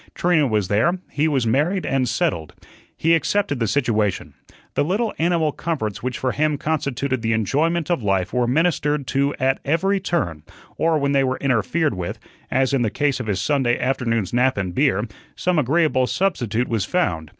Trina was there; he was married and settled. He accepted the situation. The little animal comforts which for him constituted the enjoyment of life were ministered to at every turn, or when they were interfered with as in the case of his Sunday afternoon's nap and beer some agreeable substitute was found.